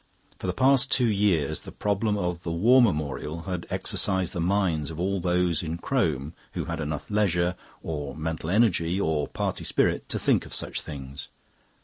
For the past two years the problem of the War Memorial had exercised the minds of all those in Crome who had enough leisure, or mental energy, or party spirit to think of such things.